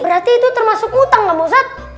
berarti itu termasuk utang ya pak ustadz